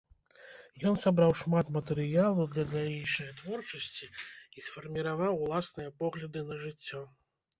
Ён сабраў шмат матэрыялу для далейшае творчасці і сфарміраваў уласныя погляды на жыццё.